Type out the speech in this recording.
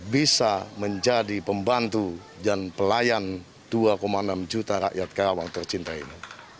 bisa menjadi pembantu dan pelayan dua enam juta rakyat karawang tercinta ini